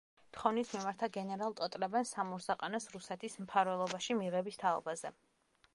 თხოვნით მიმართა გენერალ ტოტლებენს სამურზაყანოს რუსეთის მფარველობაში მიღების თაობაზე.